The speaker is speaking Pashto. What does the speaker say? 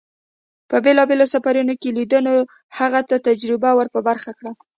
په بېلابېلو سفرون کې لیدنو هغه ته تجربه ور په برخه کړه.